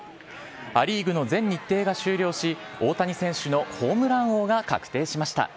ア・リーグの全日程が終了し、大谷選手のホームラン王が確定しました。